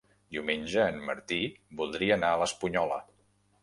Diumenge en Martí voldria anar a l'Espunyola.